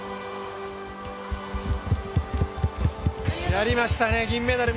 やりましたね、銀メダル。